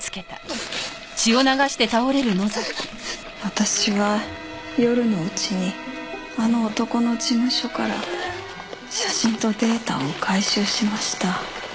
私は夜のうちにあの男の事務所から写真とデータを回収しました。